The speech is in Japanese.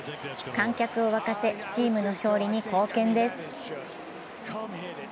観客を沸かせ、チームの勝利に貢献です。